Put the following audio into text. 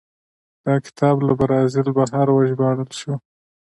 دا کتاب له برازیل بهر وژباړل شو.